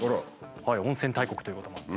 温泉大国ということもあって。